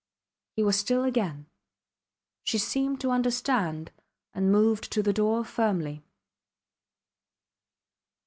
He was still again. She seemed to understand, and moved to the door firmly.